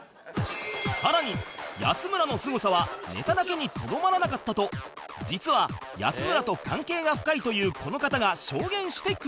さらに安村のすごさはネタだけにとどまらなかったと実は安村と関係が深いというこの方が証言してくれた